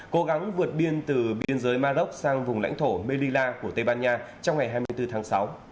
cố gắng vượt biên từ biên giới maroc sang vùng lãnh thổ bellia của tây ban nha trong ngày hai mươi bốn tháng sáu